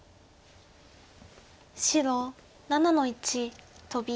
白７の一トビ。